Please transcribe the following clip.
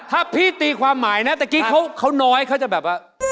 ถ้าพี่ตีความหมายนะตะกี้เขาน้อยเขาจะแบบว่า